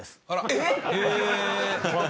えっ！？